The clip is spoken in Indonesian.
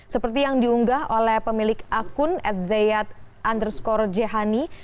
seperti yang diunggah oleh pemilik akun at zayat underscore jehani